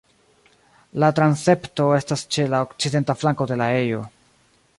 La transepto estas ĉe la okcidenta flanko de la ejo.